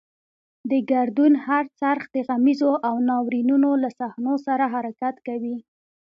د ګردون هر څرخ د غمیزو او ناورینونو له صحنو سره حرکت کوي.